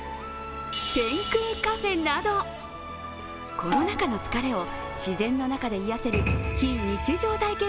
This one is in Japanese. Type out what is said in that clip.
天空カフェなどコロナ禍の疲れを自然の中で癒やせる非日常体験